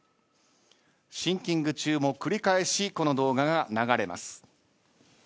シンキング中も繰り返しこの動画が流れます。